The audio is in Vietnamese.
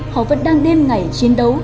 họ vẫn đang đêm ngày chiến đấu